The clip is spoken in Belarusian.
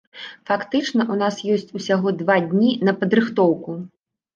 Фактычна ў нас ёсць усяго два дні на падрыхтоўку.